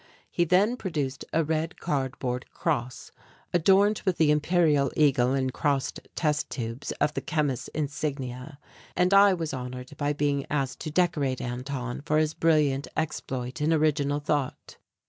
He then produced a red cardboard cross adorned with the imperial eagle and crossed test tubes of the chemists' insignia and I was honoured by being asked to decorate Anton for his brilliant exploit in original thought.